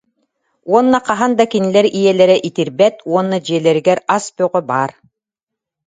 Уонна хаһан да кинилэр ийэлэрэ итирбэт уонна дьиэлэригэр ас бөҕө баар